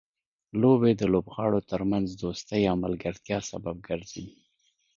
لوبې د لوبغاړو ترمنځ دوستۍ او ملګرتیا سبب ګرځي.